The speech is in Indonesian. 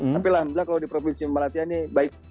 tapi lah kalau di provinsi malatya ini baik